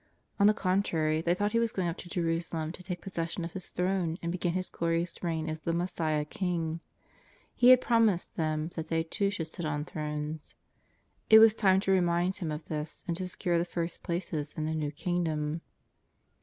On the contrary, they thought He was going up to Jeru salem to take possession of His throne and begin His glorious reign as the Messiah King. He had promised them that they too should sit on thrones. It was time to remind Him of this and to secure the first places in the new Kingdom.